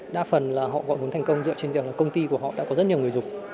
đa phần là họ gọi vốn thành công dựa trên việc là công ty của họ đã có rất nhiều người dùng